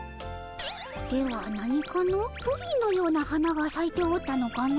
では何かのプリンのような花がさいておったのかの。